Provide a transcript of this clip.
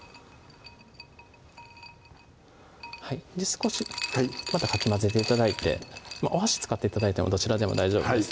少しまたかき混ぜて頂いてお箸使って頂いてもどちらでも大丈夫です